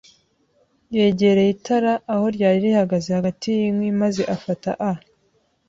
Yegereye itara, aho ryari rihagaze hagati yinkwi, maze afata a